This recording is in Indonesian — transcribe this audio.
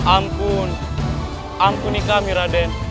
ampun ampuni kami raden